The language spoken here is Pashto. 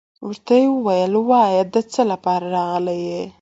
ورته يې ويل وايه دڅه لپاره راغلى يي.